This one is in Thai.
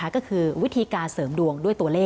ก็คือวิธีการเสริมดวง